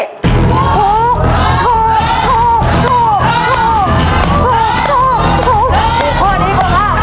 ถูกถูกถูก